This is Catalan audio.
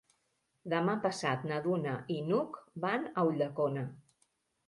Demà passat na Duna i n'Hug van a Ulldecona.